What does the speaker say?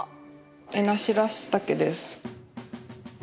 エナシラッシタケです。